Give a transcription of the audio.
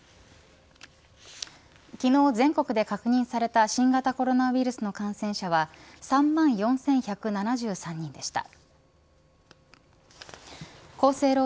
昨日全国で確認された新型コロナウイルスの感染者は３万４１７３人でした。